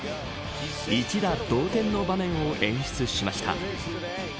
一打同点の場面を演出しました。